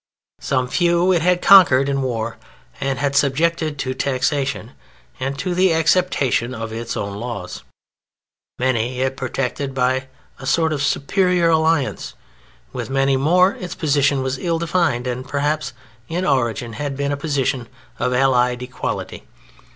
Some few it had conquered in war and had subjected to taxation and to the acceptation of its own laws; many it protected by a sort of superior alliance; with many more its position was ill defined and perhaps in origin had been a position of allied equality.